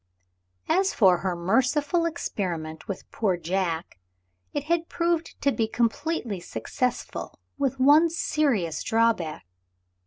As for her merciful experiment with poor Jack, it had proved to be completely successful with one serious drawback.